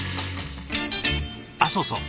あっそうそう。